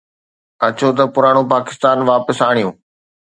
اچو ته پراڻو پاڪستان واپس آڻيون.